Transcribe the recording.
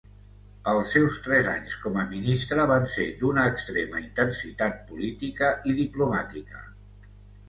Els seus tres anys com a ministre van ser d'una extrema intensitat política i diplomàtica.